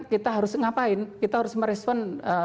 kita harus ngapain kita harus merespon